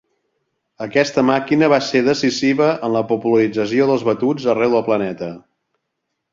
Aquesta màquina va ser decisiva en la popularització dels batuts arreu del planeta.